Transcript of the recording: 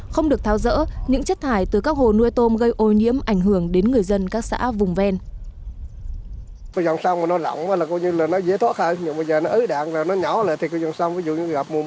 không được tháo rỡ những chất thải từ các hồ nuôi tôm gây ô nhiễm ảnh hưởng đến người dân các xã vùng ven